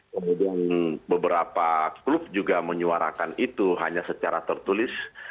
kemudian beberapa klub juga menyuarakan itu hanya secara tertulis